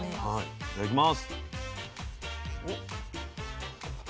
いただきます。